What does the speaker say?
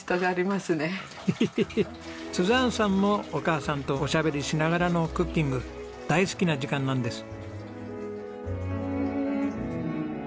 ヘヘヘッスザーンさんもお母さんとおしゃべりしながらのクッキング大好きな時間なんです。